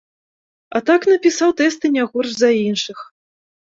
А так напісаў тэсты не горш за іншых.